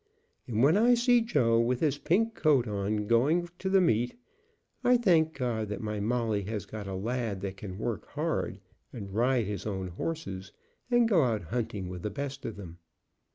And when I see Joe with his pink coat on going to the meet, I thank God that my Molly has got a lad that can work hard, and ride his own horses, and go out hunting with the best of them."